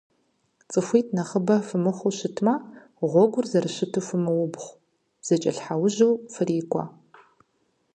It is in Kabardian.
Цӏыхуитӏ нэхъыбэ фыхъуу щытмэ, гъуэгур зэрыщыту фымыуфэбгъуу, зэкӏэлъхьэужьу фрикӏуэ.